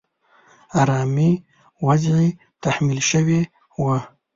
آرامي وضعې تحمیل شوې وه.